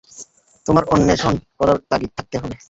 তোমার অন্বেষণ করার তাগিদ থাকতে হবে।